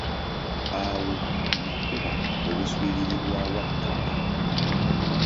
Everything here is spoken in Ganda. Awo nakuba obuswiriri bwa Wakkapa.